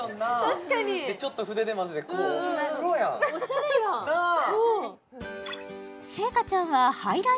確かにちょっと筆で混ぜてこうおしゃれやんなあ